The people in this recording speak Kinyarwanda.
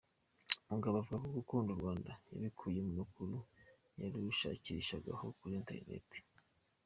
Mugabo avuga ko gukunda u Rwanda yabikuye ku makuru yarushakishagaho kuri interineti.